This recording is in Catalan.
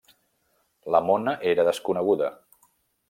La mona era desconeguda.